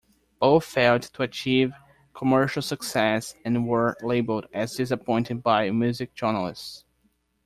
Both failed to achieve commercial success and were labeled as disappointing by music journalists.